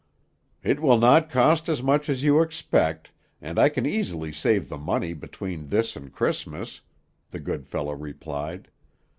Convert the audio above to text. "It will not cost as much as you expect, and I can easily save the money between this and Christmas," the good fellow replied.